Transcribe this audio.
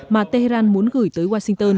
mà tehran muốn gửi tới washington